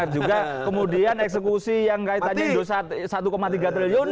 juga kemudian eksekusi yang kaitannya satu tiga triliun